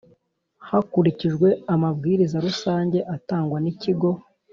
hakurikijwe amabwiriza rusange atangwa n Ikigo